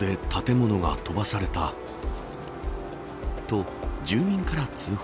と住民から通報。